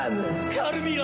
カルミラ！